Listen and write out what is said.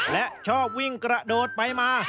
และชอบวิ่งกระโดดไปมา